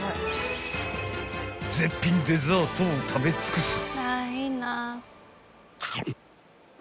［絶品デザートを食べ尽くす］